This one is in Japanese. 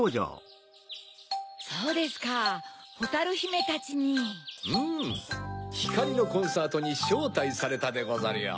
・そうですかほたるひめたちに・・うん・ひかりのコンサートにしょうたいされたでござるよ。